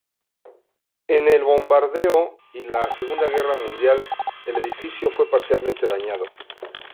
En el Bombardeo y en la Segunda Guerra Mundial el edificio fue parcialmente dañado.